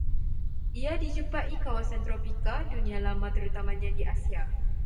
Ia dijumpai kawasan tropika Dunia Lama terutamanya di Asia